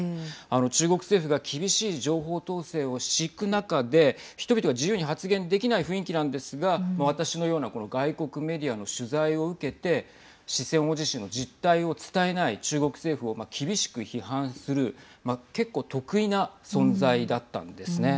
中国政府が厳しい情報統制を敷く中で人々が自由に発言できない雰囲気なんですが私のようなこの外国メディアの取材を受けて四川大地震の実態を伝えない中国政府を厳しく批判する結構特異な存在だったんですね。